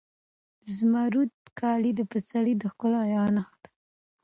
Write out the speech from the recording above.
زمردي کالي د پسرلي د ښکلا یوه نښه ده.